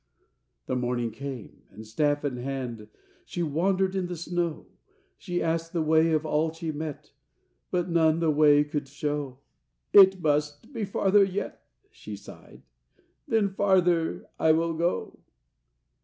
The morning came, and, staff in hand, She wandered in the snow. She asked the way of all she met, But none the way could show. "It must be farther yet," she sighed; "Then farther will I go."